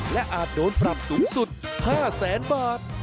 และอาจโดนปรับสูงสุด๕แสนบาท